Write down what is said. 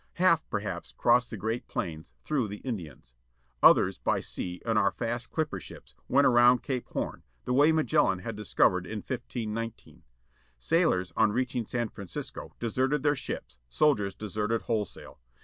Half, perhaps, crossed the great plains, through the Indians. Others, by sea, in our fast "clipper" ships, went around Cape Horn, the way Magellan had discovered in 1 5 19. Sailors on reaching San Francisco deserted their ships, soldiers deserted wholesale.